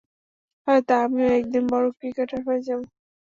হয়তো আমিও একদিন বড় ক্রিকেটার হয়ে যাবো।